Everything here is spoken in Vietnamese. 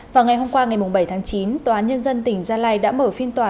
vào ngày hôm qua ngày bảy tháng chín tòa án nhân dân tỉnh gia lai đã mở phiên tòa